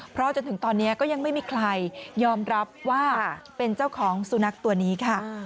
เพราะจนถึงตอนนี้ก็ยังไม่มีใครยอมรับว่าเป็นเจ้าของสุนัขตัวนี้ค่ะ